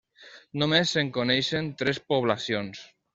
Només se'n coneixen tres poblacions.